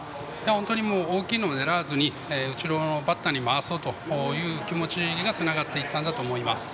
本当に大きいのを狙わずに後ろのバッターに回そうという気持ちがつながったんだと思います。